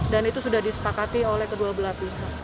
dan itu sudah disepakati oleh kedua belati